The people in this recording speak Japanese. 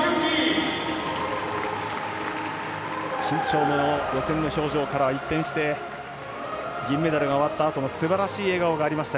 緊張の予選の表情から一転して銀メダルが決まったあとすばらしい笑顔がありました。